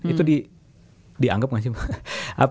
itu dianggap gak sih